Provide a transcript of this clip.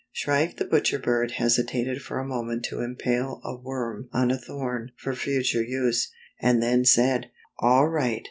Shrike the Butcher Bird hesitated for a mo ment to impale a worm on a thorn for future use, and then said: "All right.